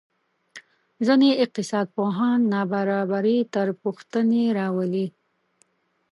ځینې اقتصادپوهان نابرابري تر پوښتنې راولي.